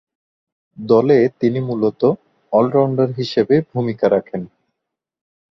দলে তিনি মূলতঃ অল-রাউন্ডার হিসেবে ভূমিকা রাখেন।